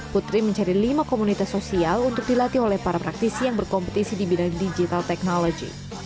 putri mencari lima komunitas sosial untuk dilatih oleh para praktisi yang berkompetisi di bidang digital technology